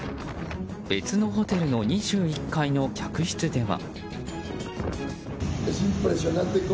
別のホテルの２１階の客室では。